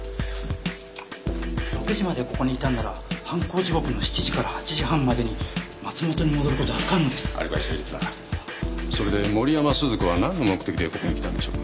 ６時までここにいたんなら犯行時刻の７時から８時半までに松本に戻ることは不可能ですアリバイ成立だそれで森山鈴子は何の目的でここに来たんでしょうか？